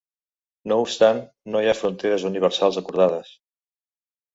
No obstant, no hi ha fronteres universals acordades.